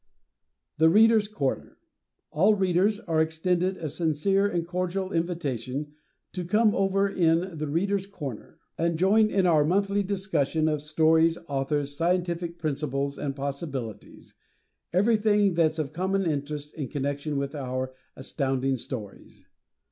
"The Readers' Corner" All Readers are extended a sincere and cordial invitation to "come over in 'The Readers' Corner'," and join in our monthly discussion of stories, authors, scientific principles and possibilities everything that's of common interest in connection with our Astounding Stories.